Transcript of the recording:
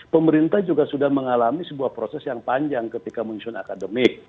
pemerintah juga sudah mengalami sebuah proses yang panjang ketika menyusun akademik